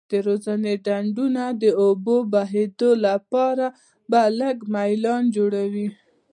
د روزنې ډنډونه د اوبو بهیدو لپاره په لږ میلان جوړیږي.